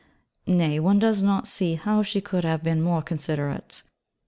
Nay, one does not see how she could have been more considerate.